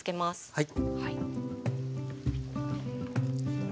はい。